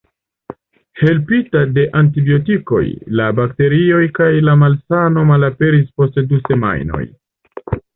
Helpita de antibiotikoj, la bakterioj kaj la malsano malaperis post du semajnoj.